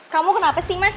kamu kenapa sih mas